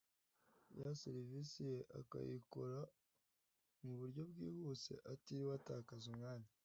ya serivisi ye akayikora mu buryo bwihuse atiriwe atakaza umwanya